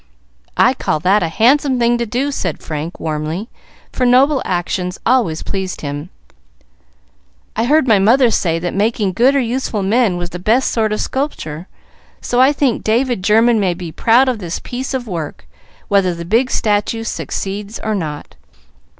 "I call that a handsome thing to do!" said Frank, warmly, for noble actions always pleased him. "I heard my mother say that making good or useful men was the best sort of sculpture, so I think David German may be proud of this piece of work, whether the big statue succeeds or not."